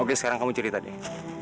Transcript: oke sekarang kamu cerita deh